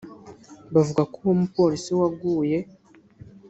bavuga ko uwo mupolisi waguye